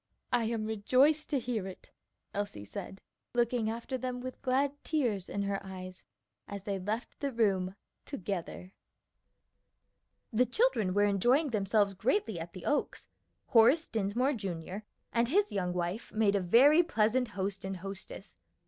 "I am rejoiced to hear it," Elsie said, looking after them with glad tears in her eyes as they left the room together. The children were enjoying themselves greatly at the Oaks. Horace Dinsmore, Jr., and his young wife made a very pleasant host and hostess.